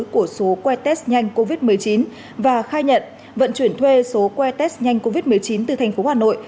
của số que test nhanh covid một mươi chín và khai nhận vận chuyển thuê số que test nhanh covid một mươi chín từ tp hà nội